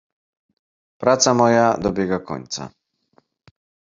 "Praca moja dobiega końca."